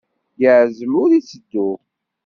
Yeɛzem ur itteddu.